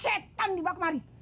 setan dibawa kemari